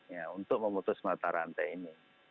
ya untuk memutus mata rantai ini